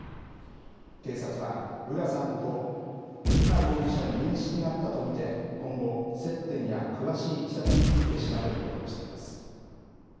警察は、浦さんと瑠奈容疑者に面識があったと見て、今後、接点や詳しいいきさつについて調べることにしています。